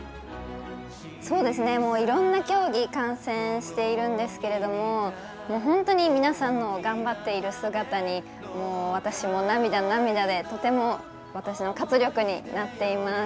いろんな競技観戦しているんですけれども本当に皆さん頑張っている姿に私も、涙、涙でとても私の活力になっています。